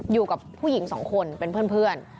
อยู่กับผู้หญิงสองคนเป็นเพื่อน